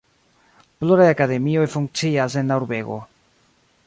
Pluraj akademioj funkcias en la urbego.